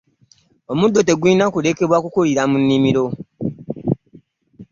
Omuddo tegulina kulekebwa kukulira mu nnimiro.